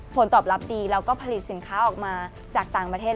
ผลตอบรับดีแล้วก็ผลิตสินค้าออกมาจากต่างประเทศ